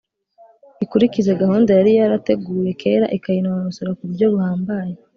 ikurikize gahunda yari yarateguye kera ikayinonosora ku buryo buhambaye.